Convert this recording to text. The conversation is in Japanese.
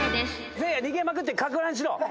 せいや逃げまくってかく乱しろ。